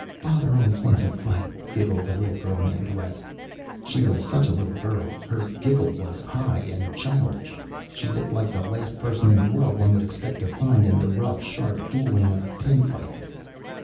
"Father always wants a fight," giggled the little girl named West. She was such a little little girl. Her giggle was high and childish. She looked like the last person in the world one would expect to find in the rough, sharp dueling of pinlighting.